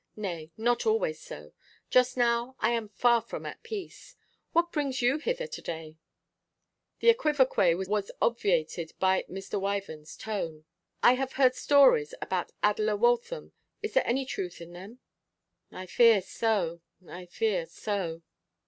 Nay, not always so. Just now I am far from at peace. What brings you hither to day?' The equivoque was obviated by Mr. Wyvern's tone. 'I have heard stories about Adela Waltham. Is there any truth in them?' 'I fear so; I fear so.